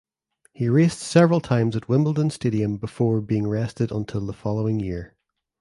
He raced several times at Wimbledon Stadium before being rested until the following year.